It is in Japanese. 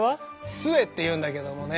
壽衛っていうんだけどもね。